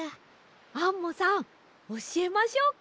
アンモさんおしえましょうか？